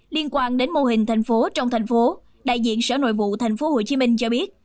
liên quan đến mô hình thành phố trong thành phố đại diện sở nội vụ thành phố hồ chí minh cho biết